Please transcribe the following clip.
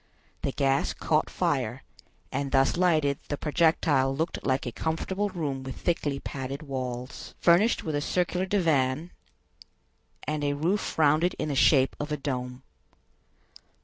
The gas caught fire, and thus lighted the projectile looked like a comfortable room with thickly padded walls, furnished with a circular divan, and a roof rounded in the shape of a dome.